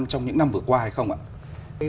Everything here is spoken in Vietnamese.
trong những năm vừa qua hay không ạ